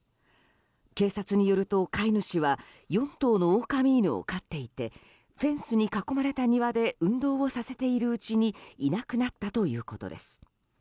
警察によると飼い主は４頭のオオカミ犬を飼っていてフェンスに囲まれた庭で運動をさせているうちにいなくなったということです。